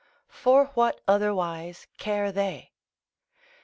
For what otherwise care they?